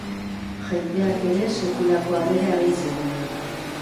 Jendeak ere sekulako harrera egin zigun.